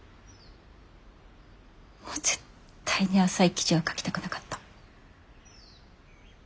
もう絶対に浅い記事は書きたくなかった。